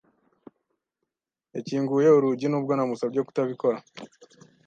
Yakinguye urugi, nubwo namusabye kutabikora.